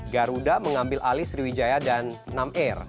garuda mengambil alih sriwijaya dan nam air